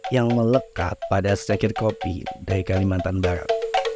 yang melekat pada secakir kopi dari kalimantan barat